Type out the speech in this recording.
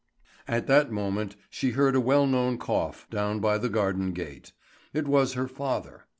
At that moment she heard a well known cough down by the garden gate. It was her father.